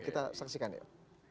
kita saksikan yuk